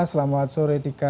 selamat sore tika